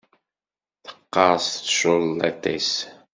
Teqqeṛs tculliḍt-is.